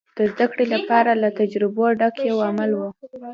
د زدهکړې لپاره له تجربو ډک یو عمل و.